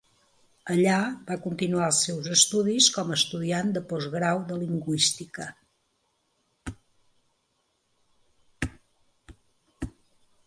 Allà va continuar els seus estudis com a estudiant de postgrau de lingüística.